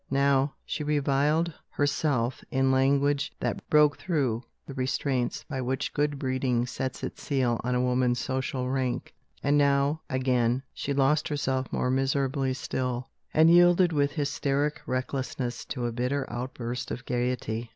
Now, she reviled herself in language that broke through the restraints by which good breeding sets its seal on a woman's social rank. And now, again, she lost herself more miserably still, and yielded with hysteric recklessness to a bitter outburst of gaiety.